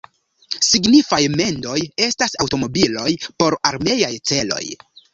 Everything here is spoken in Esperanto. Signifaj mendoj estas aŭtomobiloj por armeaj celoj.